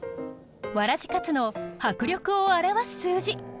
わらじかつの迫力を表す数字。